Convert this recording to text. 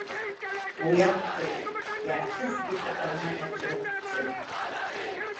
Уи акәхеит, иааҭызгеит акалмаҳа чрыхәӡа.